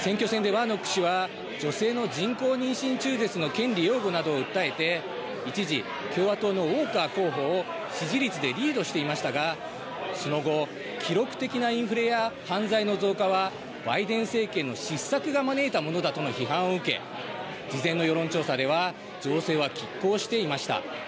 選挙戦でワーノック氏は女性の人工妊娠中絶権利の擁護などを訴えて一時、共和党のウォーカー候補を支持率でリードしていましたがその後、記録的なインフレや犯罪の増加はバイデン政権の失策が招いたものだとの批判を受け事前の世論調査では情勢はきっ抗していました。